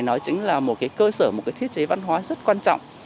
nó chính là một cơ sở một thiết chế văn hóa rất quan trọng